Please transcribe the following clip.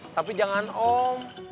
tapi jangan om